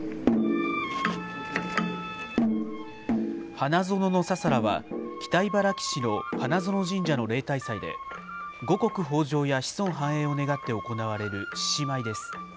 花園のささらは、北茨城市の花園神社の例大祭で、五穀豊じょうや子孫繁栄を願って行われる獅子舞です。